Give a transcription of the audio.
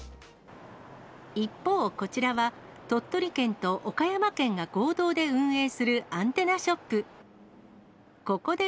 一方、こちらは鳥取県と岡山県が合同で運営するアンテナショップ。